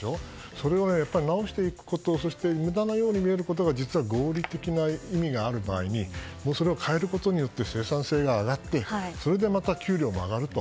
それを直していくことそしてむだなように見えることが実は合理的な意味がある時にそれを変えることで生産性が上がってそれでまた給料も上がると。